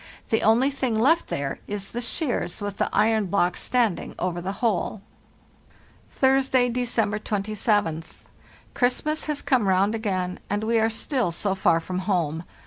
The only thing left there is the shears with the iron block standing over the hole. "Thursday, December 27th. Christmas has come round again, and we are still so far from home.